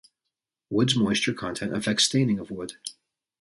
Wood's moisture content affects staining of wood.